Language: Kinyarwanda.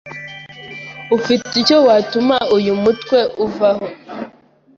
Ufite icyo watuma uyu mutwe uvaho?